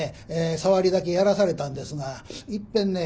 さわりだけやらされたんですがいっぺんね